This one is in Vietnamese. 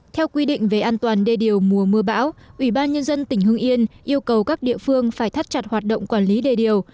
theo quy định về an toàn đê điều mùa mưa bão ủy ban nhân dân tỉnh hưng yên yêu cầu các địa phương phải thắt chặt hoạt động quản lý đề điều